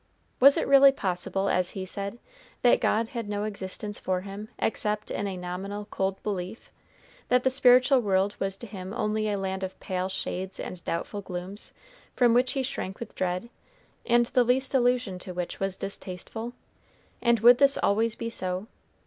Was it really possible, as he said, that God had no existence for him except in a nominal cold belief; that the spiritual world was to him only a land of pale shades and doubtful glooms, from which he shrank with dread, and the least allusion to which was distasteful? and would this always be so?